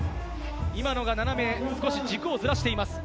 今のが斜め、少し軸をずらしています。